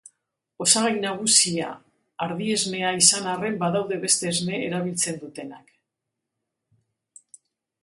Osagai nagusia ardi-esnea izan arren badaude beste esne erabiltzen dutenak.